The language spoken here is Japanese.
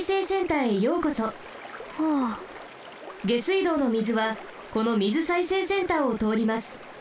下水道の水はこの水再生センターをとおります。